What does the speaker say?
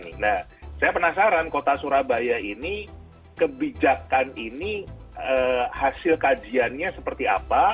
nah saya penasaran kota surabaya ini kebijakan ini hasil kajiannya seperti apa